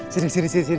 sini sini puter dulu